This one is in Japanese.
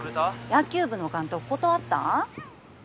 野球部の監督断ったん？